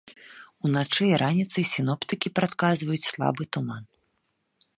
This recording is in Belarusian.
Уначы і раніцай сіноптыкі прадказваюць слабы туман.